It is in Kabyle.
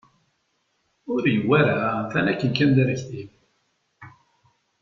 Ur yewwa ara, atan akken kan d arekti.